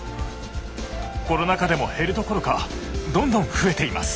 コロナ禍でも減るどころかどんどん増えています。